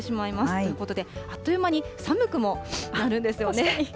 ということで、あっという間に寒くもなるんですよね。